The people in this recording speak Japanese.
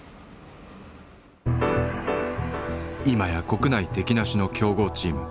今や国内敵なしの強豪チーム。